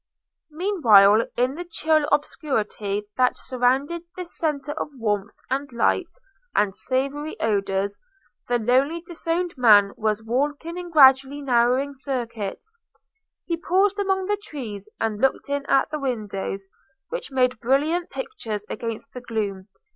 Meanwhile, in the chill obscurity that surrounded this centre of warmth, and light, and savoury odours, the lonely disowned man was walking in gradually narrowing circuits. He paused among the trees, and looked in at the windows, which made brilliant pictures against the gloom.